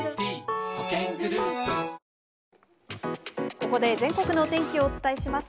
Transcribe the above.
ここで全国のお天気をお伝えします。